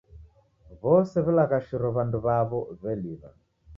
W'ose w'ilaghashiro W'andu w'aw'o w'eliw'a.